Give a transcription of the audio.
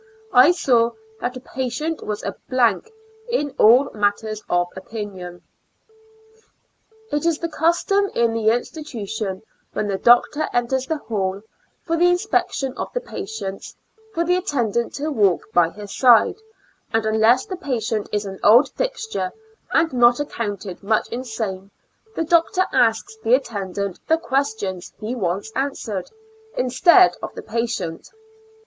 I saw that a patient was a blank in all matters of opinion. It is the custom in the institution, when the doctor enters the hall, for the inspec tion of the patients, for the attendant to walk by his side; and unless the patient is an old fixture, and not accounted much insane, the doctor asks the attendant the questions he wants answered, instead of the 10 146 ^^'^^ Years and Four Months patient.